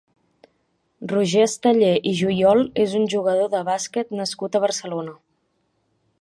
Roger Esteller i Juyol és un jugador de bàsquet nascut a Barcelona.